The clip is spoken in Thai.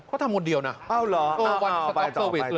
เขาทำคนเดียวนะน่าไปต่อ